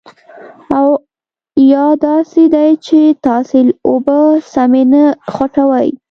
او یا داسې دي چې تاسې اوبه سمې نه خوټوئ.